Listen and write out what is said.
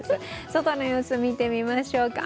外の様子を見てみましょうか。